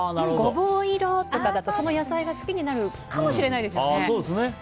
ゴボウ色とかだとその野菜が好きになるかもしれないですよね。